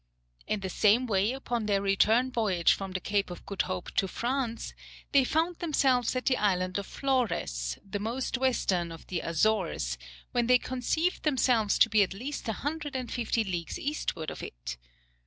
In the same way upon their return voyage from the Cape of Good Hope to France, they found themselves at the island of Flores, the most western of the Azores, when they conceived themselves to be at least a hundred and fifty leagues eastward of it.